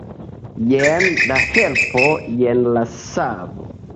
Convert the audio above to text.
Jen la helpo, jen la savo!